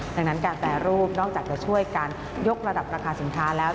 ดังนั้นการแปรรูปนอกจากจะช่วยการยกระดับราคาสินค้าแล้ว